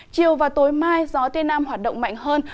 chiều và tối mai gió tây nam hoạt động mạnh hơn